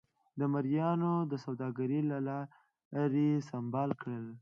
د مریانو د سوداګرۍ له لارې سمبال کړل.